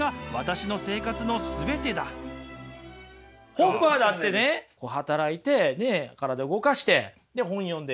ホッファーだってね働いて体動かして本読んで書いて。